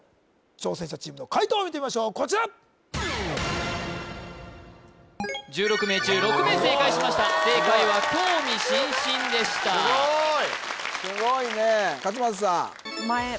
挑戦者チームの解答を見てみましょうこちら１６名中６名正解しました正解は興味津津でしたすごーい！